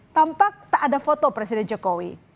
tampak tak ada foto presiden jokowi